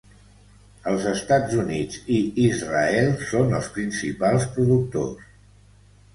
Els Estats Units i Israel són els principals productors.